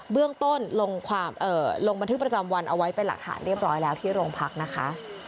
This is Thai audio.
เบื้องต้นลงบันทึกประจำวันเอาไว้เป็นหลักฐานเรียบร้อยแล้วที่โรงพักนะคะ